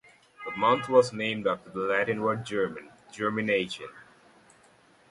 The month was named after the Latin word "germen", "germination".